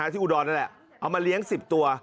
อุดรนั่นแหละเอามาเลี้ยง๑๐ตัว